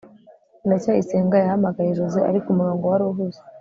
ndacyayisenga yahamagaye joze, ariko umurongo wari uhuze